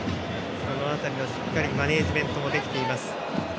その辺りのマネージメントもできています。